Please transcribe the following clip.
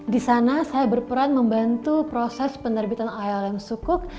di sana saya berperan membantu proses penerbitan alm sukuk